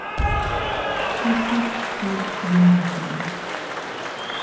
Texas State University.